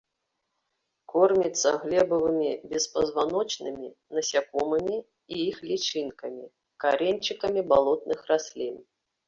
Корміцца глебавымі беспазваночнымі, насякомымі і іх лічынкамі, карэньчыкамі балотных раслін.